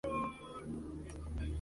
El rodaje en St.